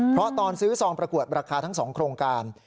เพราะตอนซื้อซองประกวดราคาทั้ง๒โครงการ